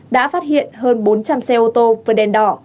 đã phát hiện hơn bốn trăm linh xe ô tô vượt đèn đỏ